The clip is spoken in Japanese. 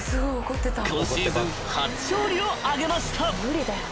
［今シーズン初勝利を挙げました］